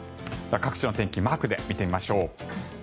各地の天気マークで見てみましょう。